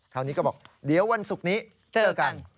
คราวนี้ก็บอกเดี๋ยววันศุกร์นี้เจอกัน